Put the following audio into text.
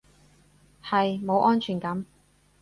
係，冇安全感